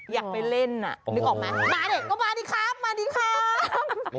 อยากไปเล่นอ่ะนึกออกไหมมาเด็กก็มาดีครับมาดีครับ